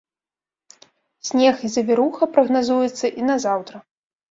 Снег і завіруха прагназуецца і на заўтра.